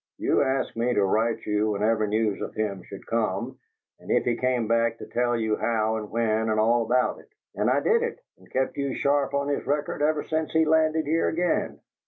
You asked me to write you whatever news of him should come, and if he came back to tell you how and when and all about it. And I did it, and kept you sharp on his record ever since he landed here again.